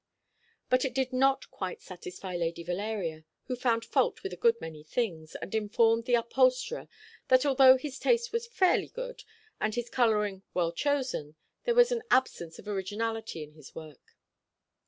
But it did not quite satisfy Lady Valeria, who found fault with a good many things, and informed the upholsterer that although his taste was fairly good, and his colouring well chosen, there was an absence of originality in his work.